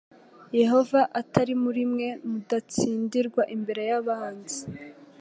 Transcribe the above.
yehova atari muri mwe mudatsindirwa imbere y abanzi